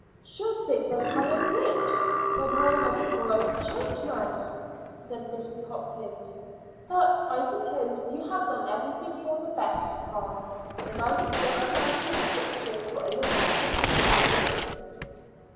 "She'll think that I am rich, when I am as poor as a church mouse," said Mrs. Hopkins. "But I suppose you have done everything for the best, Tom, and I must go around to the butcher's for a little addition to the dinner."